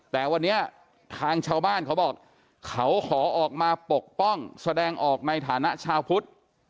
แต่วันนี้ทางชาวบ้านเขาบอกเขาขอออกมาปกป้องแสดงออกในฐานะชาวพุทธ